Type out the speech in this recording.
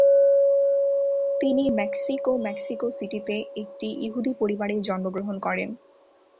তিনি Mexico Mexico সিটিতে একটি ইহুদি পরিবারে জন্মগ্রহণ করেন।